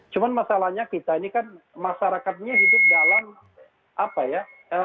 cuma masalahnya kita ini kan masyarakatnya hidup dalam apa ya